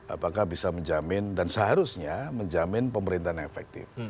apakah bisa menjamin dan seharusnya menjamin pemerintahan efektif